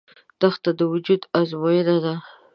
دښته د وجود ازموینه ده.